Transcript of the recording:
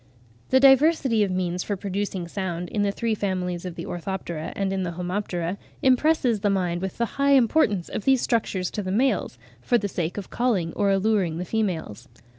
The diversity of means for producing sound in the three families of the Orthoptera and in the Homoptera, impresses the mind with the high importance of these structures to the males, for the sake of calling or alluring the females.